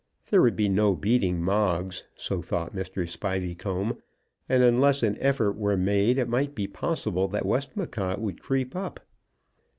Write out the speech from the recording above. There would be no beating Moggs, so thought Mr. Spiveycomb, and unless an effort were made it might be possible that Westmacott would creep up.